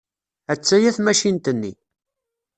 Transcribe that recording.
Attaya tmacint-nni.